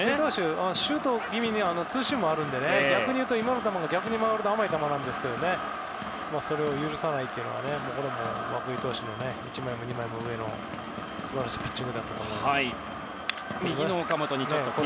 シュート気味にツーシームがあるので逆に言うと、今の球が逆に回ると甘い球なんですがそれを許さないというのは涌井投手が１枚も２枚も上の素晴らしいピッチングだったと思います。